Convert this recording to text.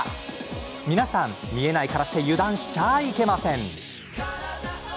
皆さん、見えないからって油断しちゃいけません。